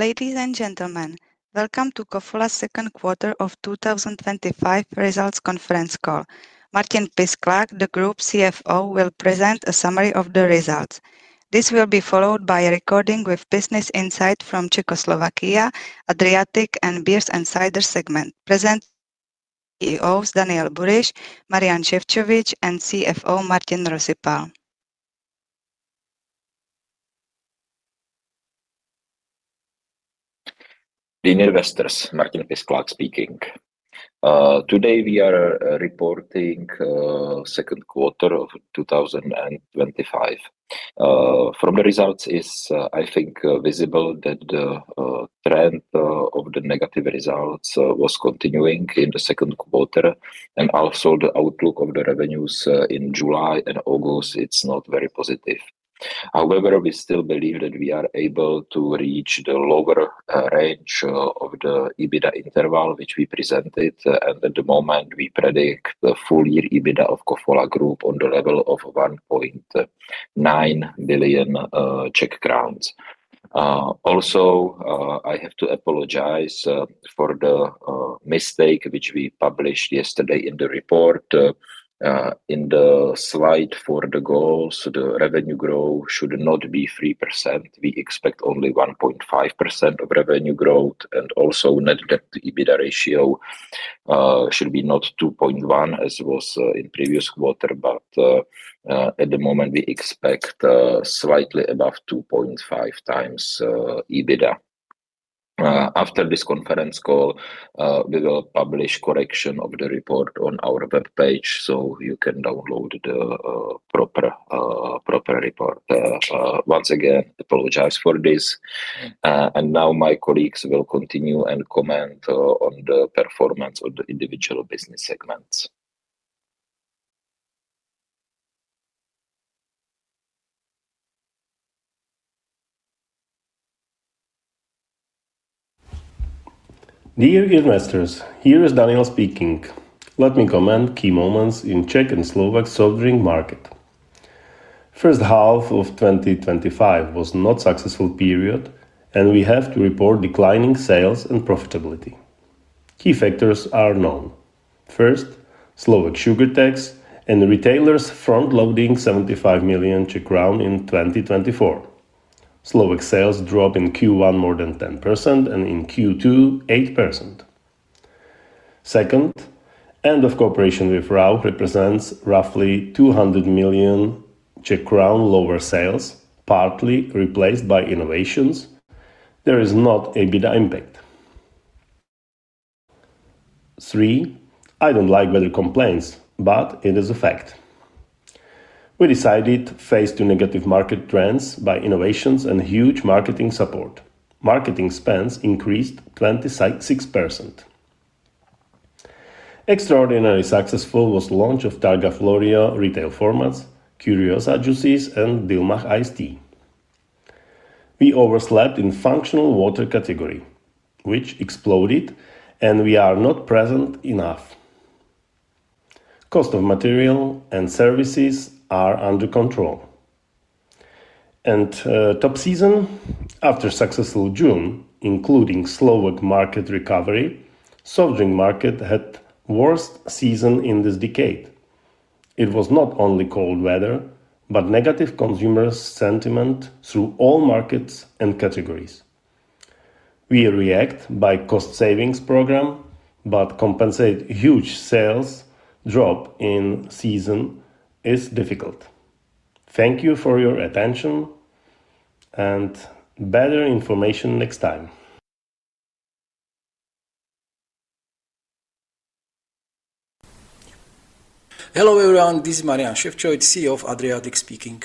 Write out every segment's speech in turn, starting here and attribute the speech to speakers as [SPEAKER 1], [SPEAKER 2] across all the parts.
[SPEAKER 1] Ladies and gentlemen, welcome to Kofola's S econd Quarter of 2025 Results Conference Call. Martin Pisklak, the Group CFO, will present a summary of the results. This will be followed by a recording with business insights from Czechoslovakia, Adriatic, and Beers and Ciders segment. Present are CEOs Daniel Buryš, Mariaá Šefčovič, and CFO Martin Rosypal.
[SPEAKER 2] Martin Pisklak speaking. Today we are reporting the second quarter of 2025. From the results, I think it's visible that the trend of the negative results was continuing in the second quarter, and also the outlook of the revenues in July and August is not very positive. However, we still believe that we are able to reach the lower range of the EBITDA interval, which we presented, and at the moment, we predict the full-year EBITDA of Kofola Group on the level of 1.9 billion Czech crowns. Also, I have to apologize for the mistake which we published yesterday in the report. In the slide for the goals, the revenue growth should not be 3%. We expect only 1.5% of revenue growth, and also net debt to EBITDA ratio should be not 2.1%, as it was in the previous quarter, but at the moment, we expect slightly above 2.5%x EBITDA. After this conference call, we will publish a correction of the report on our webpage so you can download the proper report. Once again, I apologize for this. Now my colleagues will continue and comment on the performance of the individual business segments.
[SPEAKER 3] Dear investors, here is Daniel speaking. Let me comment on key moments in the Czech and Slovak sojourning markets. The first half of 2025 was a not successful period, and we have to report declining sales and profitability. Key factors are known. First, Slovak sugar tax and retailers front-loading 75 million Czech crown in 2024. Slovak sales dropped in Q1 more than 10%, and in Q2, 8%. Second, the end of cooperation with Rauch represents roughly 200 million Czech crown lower sales, partly replaced by innovations. There is not an EBITDA impact. Three, I don't like value complaints, but it is a fact. We decided to face the negative market trends by innovations and huge marketing support. Marketing spends increased 26%. Extraordinarily successful was the launch of Targa Florio retail formats, Curiosa Juices, and Dilmah Ice Tea. We overslept in the functional water category, which exploded, and we are not present enough. Cost of material and services are under control. After a successful June, including the Slovak market recovery, the sojourning market had the worst season in this decade. It was not only cold weather, but negative consumer sentiment through all markets and categories. We reacted by a cost-savings program, but compensating huge sales drops in season is difficult. Thank you for your attention, and better information next time.
[SPEAKER 4] Hello everyone, this is Marián Šefčovič, CEO of Adriatic speaking.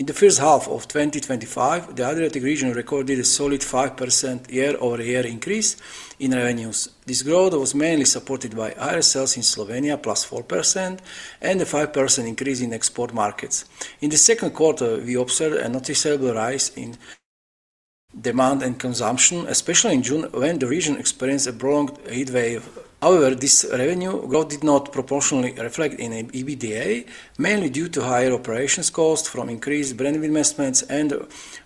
[SPEAKER 4] In the first half of 2025, the Adriatic region recorded a solid 5% year-over-year increase in revenues. This growth was mainly supported by higher sales in Slovenia, + 4%, and a 5% increase in export markets. In the second quarter, we observed a noticeable rise in demand and consumption, especially in June, when the region experienced a prolonged heatwave. However, this revenue growth did not proportionately reflect in EBITDA, mainly due to higher operations costs from increased brand investments and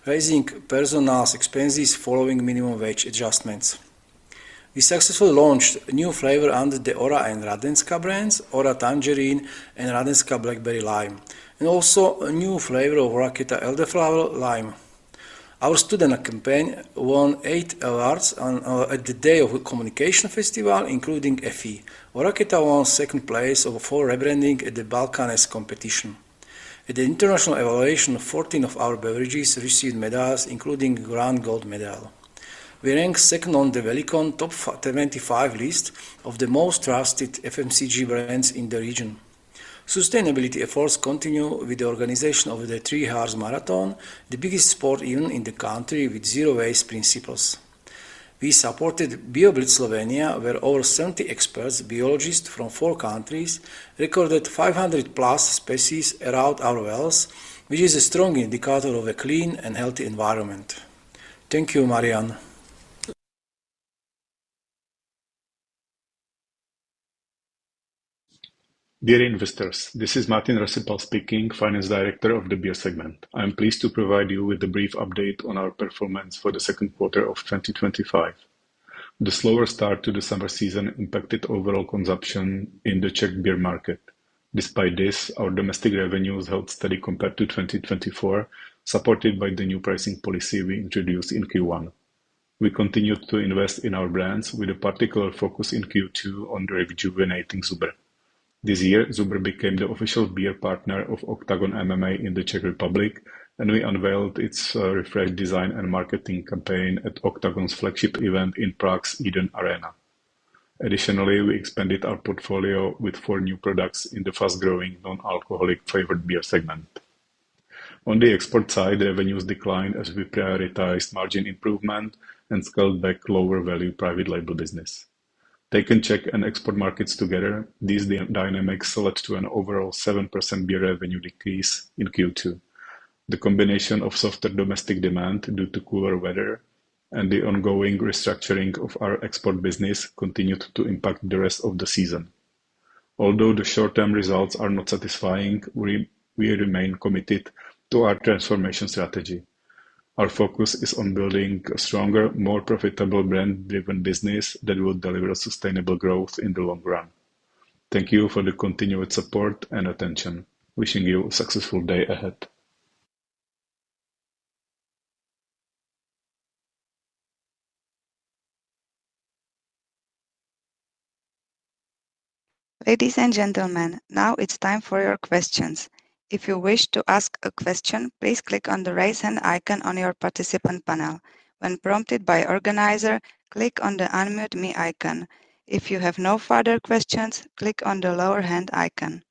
[SPEAKER 4] rising personnel expenses following minimum wage adjustments. We successfully launched new flavors under the Ora and Radenska brands: Ora Tangerine and Radenska Blackberry Lime, and also a new flavor of Oraketa Elderflower Lime. Our Studena campaign won eight awards at the Day of Communication Festival, including a fee. Oraketa won second place for rebranding at the BalCannes competition. At the international evaluation, 14 of our beverages received medals, including a Grand Gold medal. We ranked second on the Valicon Top 25 list of the most trusted FMCG brands in the region. Sustainability efforts continue with the organization of the Three Hearts Marathon, the biggest sport event in the country with zero-waste principles. We supported BioBlitz Slovenija, where over 70 experts, biologists from four countries, recorded 500+ species around our wells, which is a strong indicator of a clean and healthy environment. Thank you, Marian.
[SPEAKER 5] Dear investors, this is Martin Rosypal speaking, Finance Director of the Beer segment. I am pleased to provide you with a brief update on our performance for the second quarter of 2025. The slower start to the summer season impacted overall consumption in the Czech beer market. Despite this, our domestic revenues held steady compared to 2024, supported by the new pricing policy we introduced in Q1. We continued to invest in our brands, with a particular focus in Q2 on rejuvenating Zubr. This year, Zubr became the official beer partner of Octagon MMA in the Czech Republic, and we unveiled its refreshed design and marketing campaign at Octagon's flagship event in Prague's Eden Arena. Additionally, we expanded our portfolio with four new products in the fast-growing non-alcoholic flavored beer segment. On the export side, revenues declined as we prioritized margin improvement and scaled back lower-value private label business. Taking Czech and export markets together, these dynamics led to an overall 7% beer revenue decrease in Q2. The combination of softer domestic demand due to cooler weather and the ongoing restructuring of our export business continued to impact the rest of the season. Although the short-term results are not satisfying, we remain committed to our transformation strategy. Our focus is on building a stronger, more profitable brand-driven business that will deliver sustainable growth in the long run. Thank you for the continued support and attention. Wishing you a successful day ahead.
[SPEAKER 1] Ladies and gentlemen, now it's time for your questions. If you wish to ask a question, please click on the raise hand icon on your participant panel. When prompted by the organizer, click on the unmute me icon. If you have no further questions, click on the lower hand icon.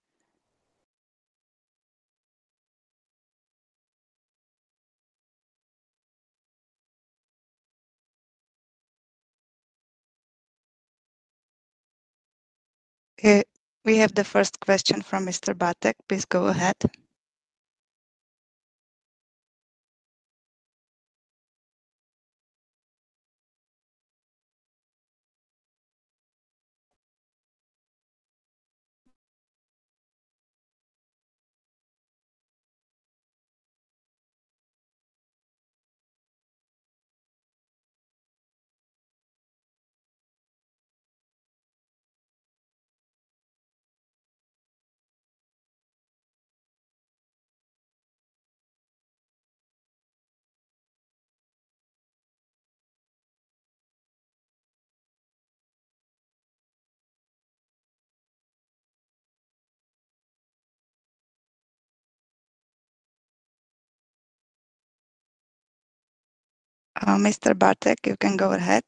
[SPEAKER 1] We have the first question from Mr. Batek. Please go ahead. Mr. Batek, you can go ahead.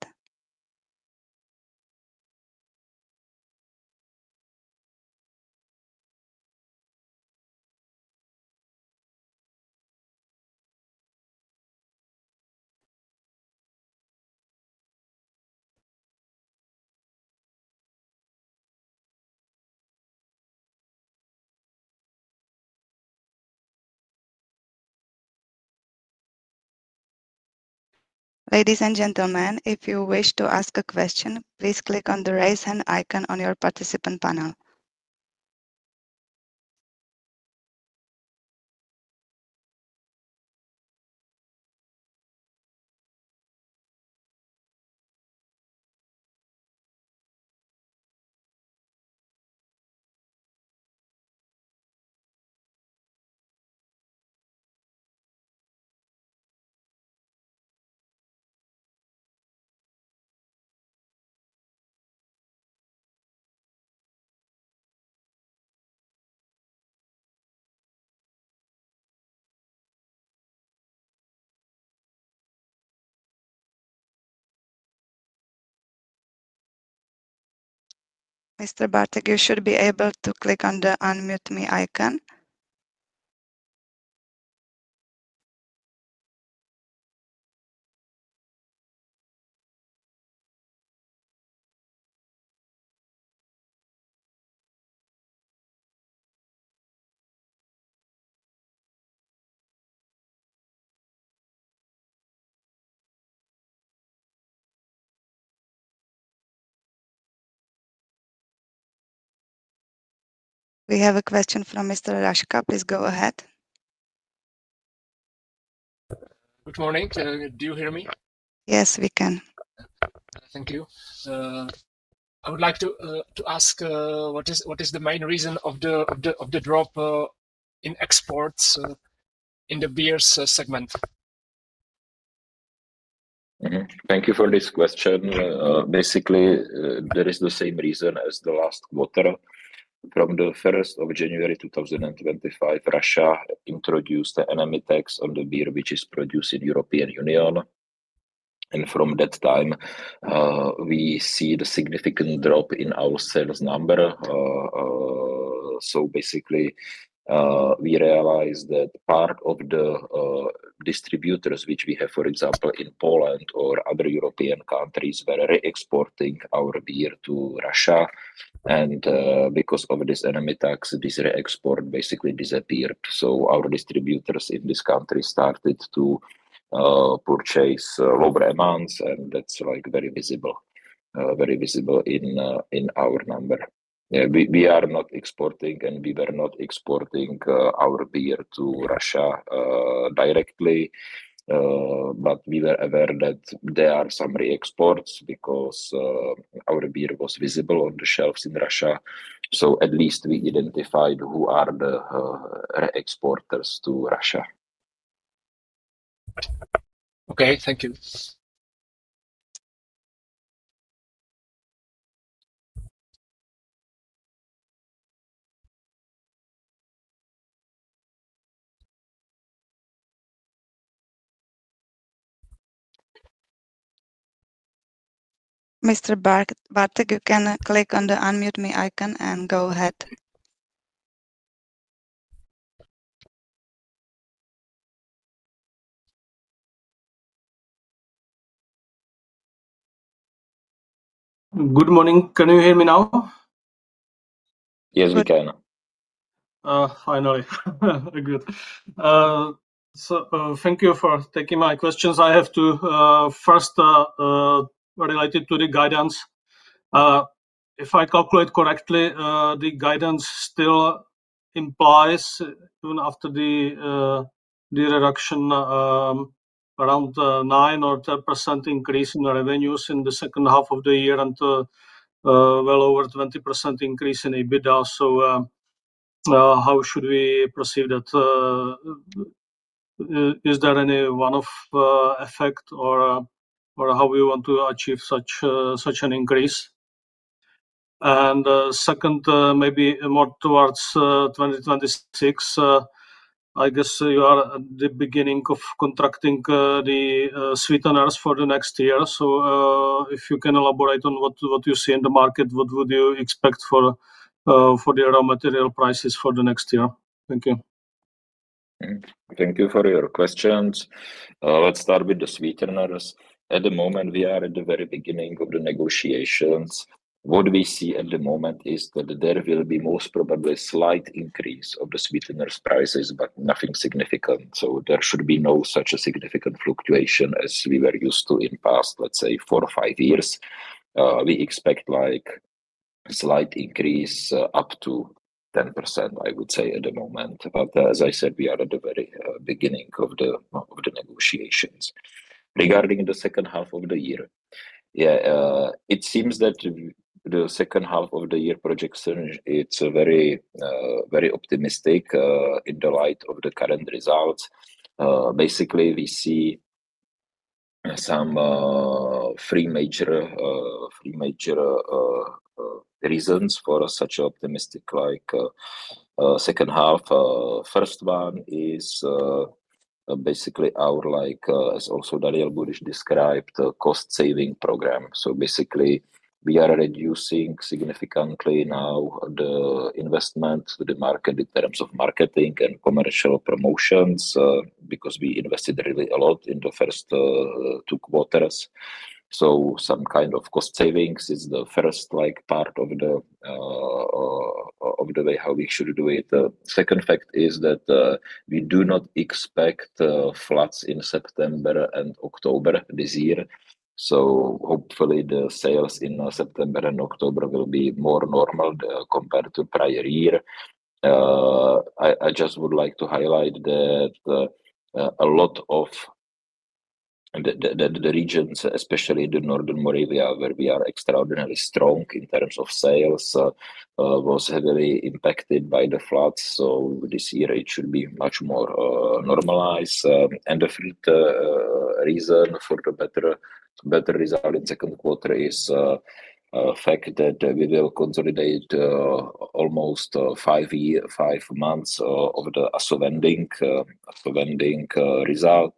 [SPEAKER 1] Ladies and gentlemen, if you wish to ask a question, please click on the raise hand icon on your participant panel. Mr. Batek, you should be able to click on the unmute me icon. We have a question from Mr. Raška. Please go ahead.
[SPEAKER 6] Good morning. Do you hear me?
[SPEAKER 1] Yes, we can.
[SPEAKER 6] Thank you. I would like to ask what is the main reason of the drop in exports in the beer segment?
[SPEAKER 2] Thank you for this question. Basically, there is the same reason as the last quarter. From the 1st of January 2025, Russia introduced the [enemy] tax on the beer, which is produced in the European Union. From that time, we see the significant drop in our sales number. We realized that part of the distributors, which we have, for example, in Poland or other European countries, were re-exporting our beer to Russia. Because of this enemy tax, this re-export basically disappeared. Our distributors in these countries started to purchase lower amounts, and that's very visible in our number. We are not exporting, and we were not exporting our beer to Russia directly. We were aware that there are some re-exports because our beer was visible on the shelves in Russia. At least we identified who are the re-exporters to Russia.
[SPEAKER 6] Okay, thank you.
[SPEAKER 1] Mr. Batek, you can click on the unmute me icon and go ahead.
[SPEAKER 7] Good morning. Can you hear me now?
[SPEAKER 2] Yes, we can.
[SPEAKER 7] Finally, good. Thank you for taking my questions. I have two, first related to the guidance. If I calculate correctly, the guidance still implies, soon after the reduction, around 9% or 10% increase in revenues in the second half of the year and a well over 20% increase in EBITDA. How should we perceive that? Is there any one-off effect or how do you want to achieve such an increase? Second, maybe more towards 2026, I guess you are at the beginning of contracting the sweeteners for the next year. If you can elaborate on what you see in the market, what would you expect for the raw material prices for the next year? Thank you.
[SPEAKER 2] Thank you for your questions. Let's start with the sweeteners. At the moment, we are at the very beginning of the negotiations. What we see at the moment is that there will be most probably a slight increase of the sweetener prices, but nothing significant. There should be no such a significant fluctuation as we were used to in the past, let's say, four or five years. We expect like a slight increase up to 10% at the moment. As I said, we are at the very beginning of the negotiations. Regarding the second half of the year, it seems that the second half of the year projection is very, very optimistic in the light of the current results. Basically, we see some three major reasons for such an optimistic second half. First one is basically our, like as also Daniel Buryš described, cost-saving program. We are reducing significantly now the investment to the market in terms of marketing and commercial promotions because we invested really a lot in the first two quarters. Some kind of cost savings is the first part of the way how we should do it. The second fact is that we do not expect floods in September and October this year. Hopefully, the sales in September and October will be more normal compared to the prior year. I just would like to highlight that a lot of the regions, especially Northern Moravia, where we are extraordinarily strong in terms of sales, were heavily impacted by the floods. This year, it should be much more normalized. The third reason for the better result in the second quarter is the fact that we will consolidate almost five months of the assuring result,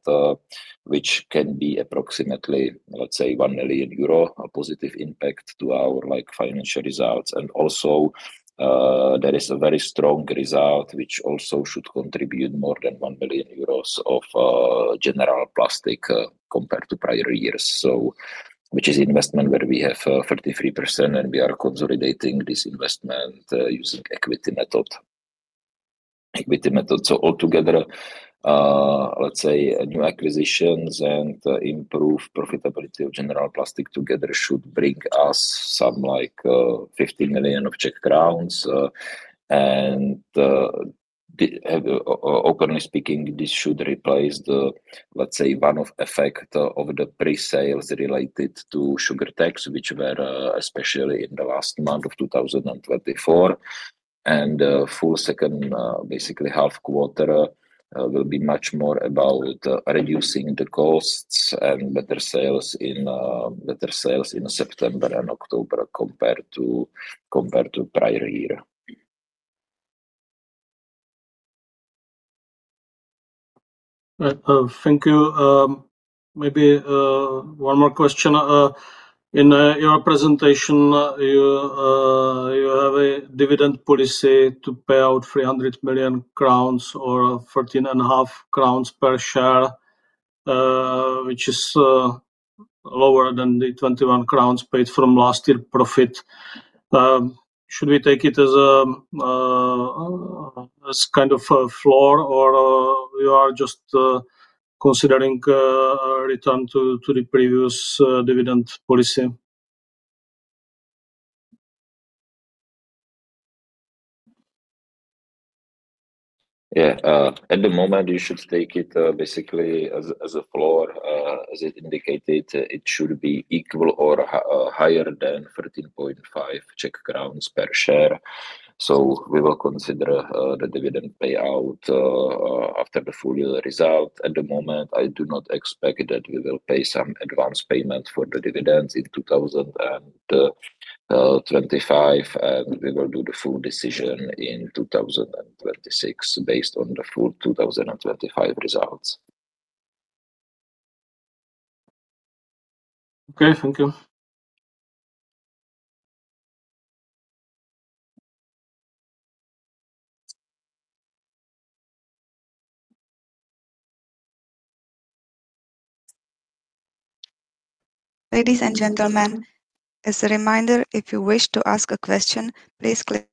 [SPEAKER 2] which can be approximately, let's say, 1 million euro, a positive impact to our financial results. Also, there is a very strong result, which also should contribute more than 1 million euros of General Plastic compared to prior years, which is an investment where we have 33%, and we are consolidating this investment using the equity method. Altogether, new acquisitions and improved profitability of General Plastic together should bring us some like 15 million. Openly speaking, this should replace the, let's say, one-off effect of the pre-sales related to sugar tax, which were especially in the last month of 2024. The full second half quarter will be much more about reducing the costs and better sales in September and October compared to the prior year.
[SPEAKER 7] Thank you. Maybe one more question. In your presentation, you have a dividend policy to pay out 300 million crowns or 14.5 crowns per share, which is lower than the 21 crowns paid from last year profit. Should we take it as a kind of a flaw, or you are just considering a return to the previous dividend policy?
[SPEAKER 2] At the moment, you should take it basically as a floor. As it indicated, it should be equal or higher than 13.5 per share. We will consider the dividend payout after the full-year result. At the moment, I do not expect that we will pay some advance payment for the dividends in 2025, and we will do the full decision in 2026 based on the full 2025 results.
[SPEAKER 7] Okay, thank you.
[SPEAKER 1] Ladies and gentlemen, as a reminder, if you wish to ask a question, please click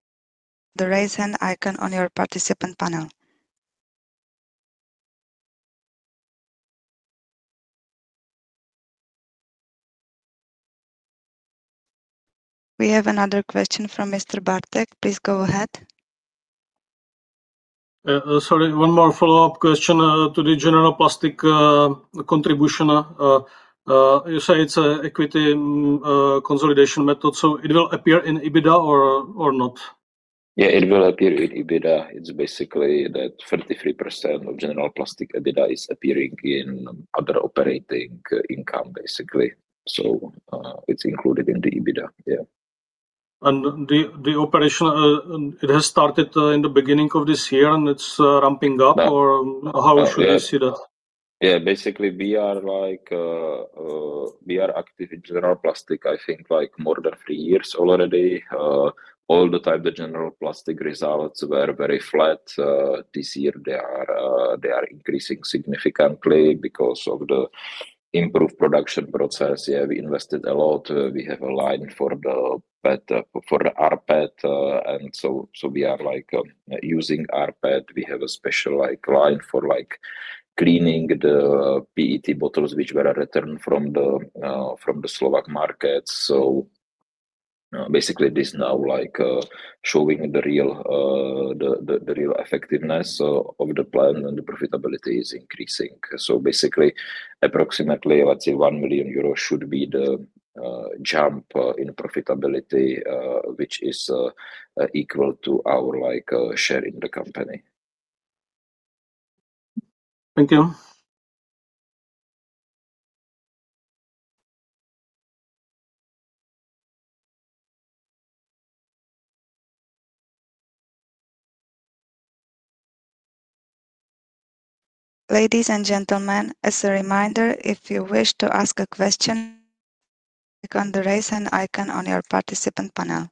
[SPEAKER 1] the raise hand icon on your participant panel. We have another question from Mr. Batek. Please go ahead.
[SPEAKER 7] Sorry. One more follow-up question to the General Plastic contribution. You say it's an equity and consolidation method. Will it appear in EBITDA or not?
[SPEAKER 2] Yeah, it will appear in EBITDA. It's basically that 33% of General Plastic EBITDA is appearing in other operating income, basically. So it's included in the EBITDA. Yeah.
[SPEAKER 7] The operation, it has started in the beginning of this year, and it's ramping up, or how should I see that?
[SPEAKER 2] Yeah. Basically, we are active in General Plastic, I think, like more than three years already. All the time, the General Plastic results were very flat. This year, they are increasing significantly because of the improved production process. We have invested a lot. We have a line for the rPET, and we are like using rPET. We have a special line for cleaning the PET bottles which were returned from the Slovak markets. This is now showing the real effectiveness of the plant, and the profitability is increasing. Approximately, let's say, €1 million should be the jump in profitability, which is equal to our share in the company.
[SPEAKER 7] Thank you.
[SPEAKER 1] Ladies and gentlemen, as a reminder, if you wish to ask a question, click on the raise hand icon on your participant panel.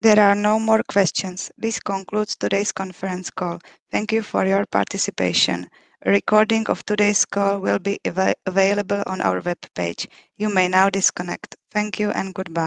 [SPEAKER 1] There are no more questions. This concludes today's conference call. Thank you for your participation. A recording of today's call will be available on our webpage. You may now disconnect. Thank you and goodbye.